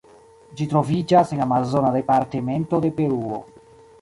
Ĝi troviĝas en amazona departemento de Peruo.